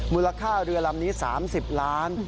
มูลค่าเรือลำนี้๓๐ล้าน